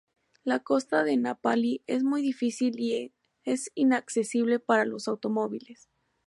La costa de Na Pali es muy difícil y es inaccesible para los automóviles.